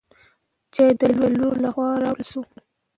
چای د لور له خوا راوړل شو.